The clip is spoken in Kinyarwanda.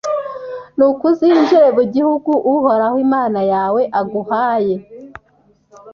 nuko uzinjire mu gihugu uhoraho imana yawe aguhaye,